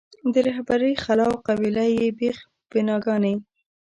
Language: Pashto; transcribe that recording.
د رهبرۍ خلا او قبیله یي بېخ بناګانې.